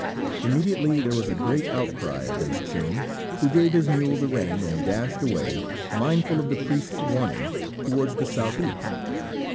Immediately there was a great outcry against Chung, who gave his mule the rein and dashed away, mindful of the priest's warning, towards the south east.